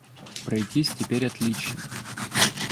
Пройтись теперь отлично.